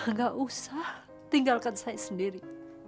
nggak usah tinggalkan saya sendiri